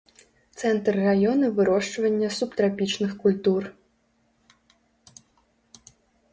Цэнтр раёна вырошчвання субтрапічных культур.